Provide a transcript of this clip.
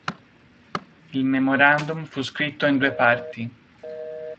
Il memorandum fu scritto in due parti.